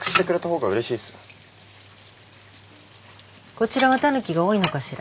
こちらはタヌキが多いのかしら？